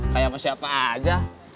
kayak mau siapa aja